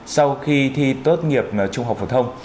sau khi thi tốt nghiệp trung học phổ thông